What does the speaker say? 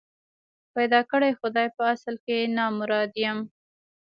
پيدا کړی خدای په اصل کي نامراد یم